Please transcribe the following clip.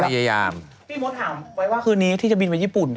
พี่มดถามไว้ว่าคืนนี้ที่จะบินไปญี่ปุ่น